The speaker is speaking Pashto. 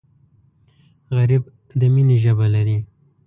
غریب د مینې ژبه لري